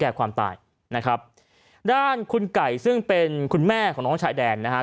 ความตายนะครับด้านคุณไก่ซึ่งเป็นคุณแม่ของน้องชายแดนนะฮะ